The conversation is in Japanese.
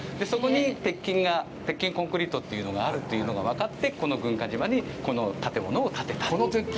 そこに鉄筋が、鉄筋コンクリートというのがあるというのが分かって、この軍艦島にこの建物を建てたと。